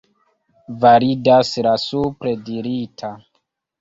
Validas la supre dirita.